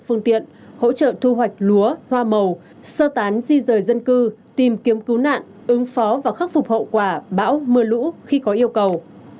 phương tiện hỗ trợ thu hoạch lúa hoa màu sơ tán di rời dân cư tìm kiếm cứu nạn ứng phó và khắc phục hậu quả bão mưa lũ khi có yêu cầu